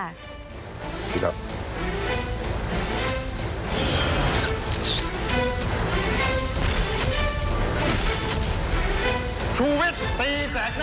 ขอบคุณครับ